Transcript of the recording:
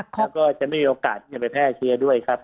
แล้วก็จะไม่มีโอกาสไปแพร่เชื้อด้วยครับ